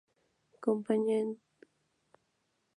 Comprende octavos y cuartos de final, semifinales y final.